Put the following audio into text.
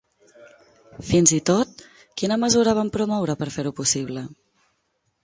Fins i tot, quina mesura van promoure per fer-ho possible?